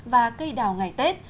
và cây đào ngày tết